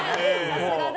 さすがだ。